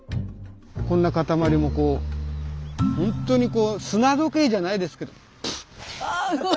こんな塊もこう本当にこう砂時計じゃないですけどプッ。